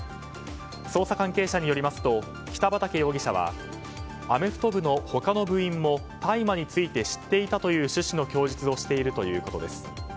捜査関係者によりますと北畠容疑者はアメフト部の他の部員も大麻について知っていたという趣旨の供述をしているということです。